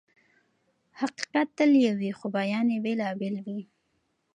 حقيقت تل يو وي خو بيان يې بېلابېل وي.